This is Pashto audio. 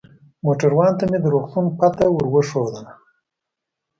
موټروان ته مې د روغتون پته ور وښودل.